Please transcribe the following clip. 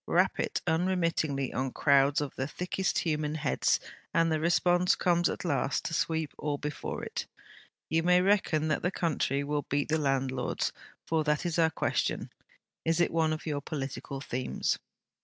'Rap it unremittingly on crowds of the thickest of human heads, and the response comes at last to sweep all before it. You may reckon that the country will beat the landlords for that is our question. Is it one of your political themes?'